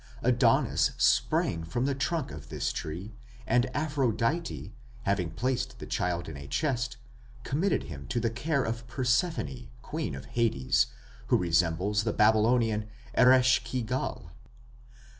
Adonis sprang from the trunk of this tree, and Aphrodite, having placed the child in a chest, committed him to the care of Persephone, queen of Hades, who resembles the Babylonian Eresh ki gal.